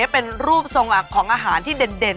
เป็นรูปทรงหลักของอาหารที่เด่น